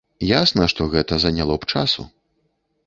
Ясна, што гэта заняло б часу.